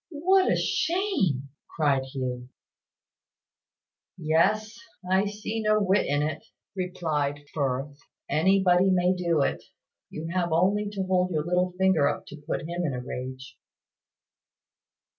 "What a shame!" cried Hugh. "Yes: I see no wit in it," replied Firth. "Anybody may do it. You have only to hold your little finger up to put him in a rage."